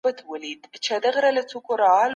د وړیو او شیدو محصولات چیرته په ښه بیه پلورل کېدل؟